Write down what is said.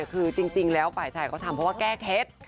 คือจริงแล้วฝ่ายชายเขาทำเพราะว่าแก้เคล็ด